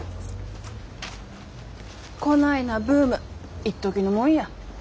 こないなブームいっときのもんや。